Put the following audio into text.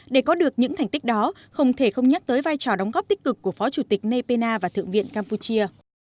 để có được những thành tích đó không thể không nhắc tới vai trò đóng góp tích cực của phó chủ tịch nepena và thượng viện campuchia